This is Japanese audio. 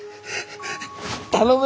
頼む！